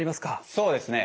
そうですね。